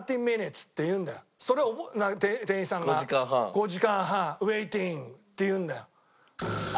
５時間半ウェイティングって言うんだよ。